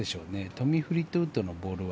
トミー・フリートウッドのボールは。